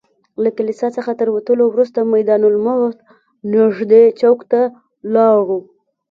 له کلیسا څخه تر وتلو وروسته میدان المهد نږدې چوک ته لاړو.